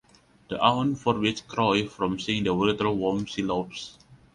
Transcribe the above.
The aunt forbids Croy from seeing the writer whom she loves.